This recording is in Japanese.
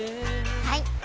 はい！